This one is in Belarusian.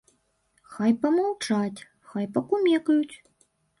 Хай памаўчаць, хай пакумекаюць.